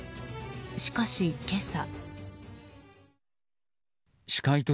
しかし、今朝。